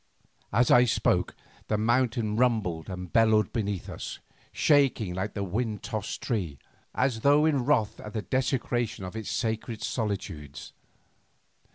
As I spoke the mountain rumbled and bellowed beneath us, shaking like a wind tossed tree, as though in wrath at the desecration of its sacred solitudes.